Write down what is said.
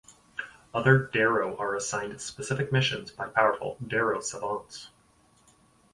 Other derro are assigned specific missions by powerful derro savants.